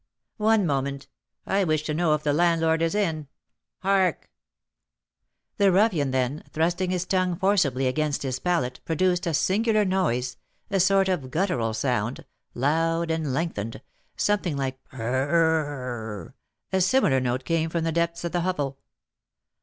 "One moment, I wish to know if the landlord is in. Hark!" The ruffian then, thrusting his tongue forcibly against his palate, produced a singular noise, a sort of guttural sound, loud and lengthened, something like P r r r r r r r!!! A similar note came from the depths of the hovel.